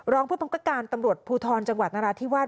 รองผู้บังคับการตำรวจภูทรจังหวัดนราธิวาส